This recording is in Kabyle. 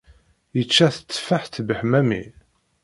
Yečča teteffaḥt beḥmami